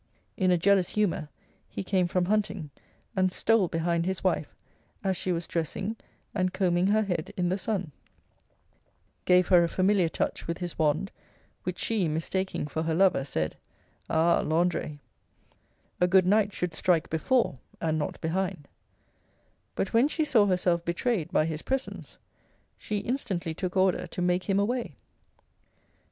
In a jealous humour he came from hunting, and stole behind his wife, as she was dressing and combing her head in the sun, gave her a familiar touch with his wand, which she mistaking for her lover, said, Ah Landre, a good knight should strike before, and not behind: but when she saw herself betrayed by his presence, she instantly took order to make him away.